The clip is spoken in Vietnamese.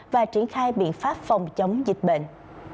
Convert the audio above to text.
và triển khai biện pháp phòng chống dịch bệnh